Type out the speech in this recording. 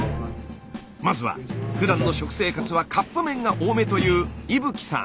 まずはふだんの食生活はカップ麺が多めという伊吹さん。